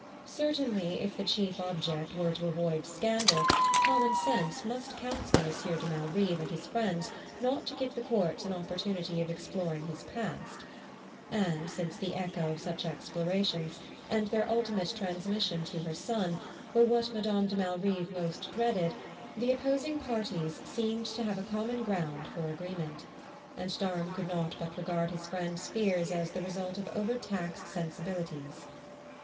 Certainly, if the chief object were to avoid scandal, common sense must counsel Monsieur de Malrive and his friends not to give the courts an opportunity of exploring his past; and since the echo of such explorations, and their ultimate transmission to her son, were what Madame de Malrive most dreaded, the opposing parties seemed to have a common ground for agreement, and Durham could not but regard his friend's fears as the result of over taxed sensibilities.